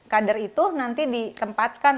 kader itu nanti di tempatkan